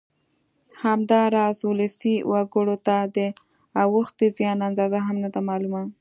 همداراز ولسي وګړو ته د اوښتې زیان اندازه هم نه ده معلومه